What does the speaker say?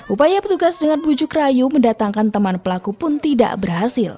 upaya petugas dengan bujuk rayu mendatangkan teman pelaku pun tidak berhasil